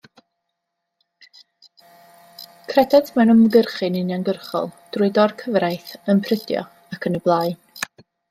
Credent mewn ymgyrchu'n uniongyrchol, drwy dor-cyfraith, ymprydio ac yn y blaen.